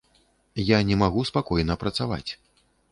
Я не магу спакойна працаваць.